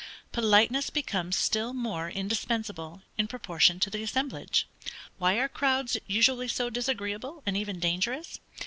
Politeness becomes still more indispensable, in proportion to the assemblage. Why are crowds usually so disagreeable, and even dangerous?